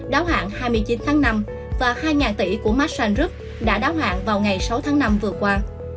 đáo hạn hai mươi chín tháng năm và hai tỷ của massan roub đã đáo hạn vào ngày sáu tháng năm vừa qua